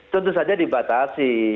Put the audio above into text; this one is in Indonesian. tentu saja dibatasi